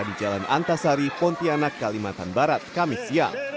di jalan antasari pontianak kalimantan barat kamis siang